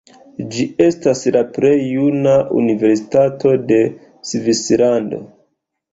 Ĝi estas la plej juna universitato de Svislando.